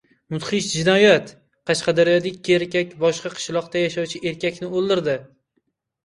Mudhish jinoyat: Qashqadaryoda ikki erkak boshqa qishloqda yashovchi erkakni o‘ldirdi